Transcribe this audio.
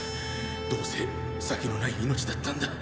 どうせ先のない命だったんだ。